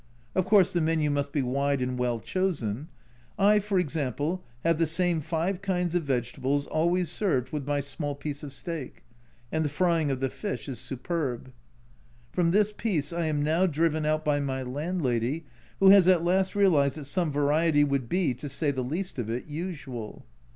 Of course the menu must be wide and well chosen. I, for example, have the same five kinds of vegetables always served with my small piece of steak, and the frying of the fish is superb. From this peace I am now driven out by my landlady, who has at last realised that some variety would be, to say the least of it, usual.